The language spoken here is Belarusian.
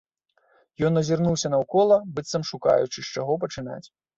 Ён азірнуўся наўкола, быццам шукаючы, з чаго пачынаць.